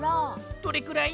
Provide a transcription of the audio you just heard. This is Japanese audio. どれくらい？